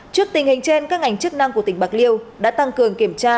trước tình hình trên các ngành chức năng của tỉnh bạc liêu đã tăng cường kiểm tra